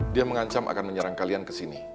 dia mengancam akan menyerang kalian kesini